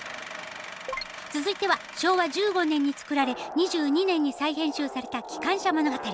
続いては昭和１５年に作られ２２年に再編集された「機関車物語」。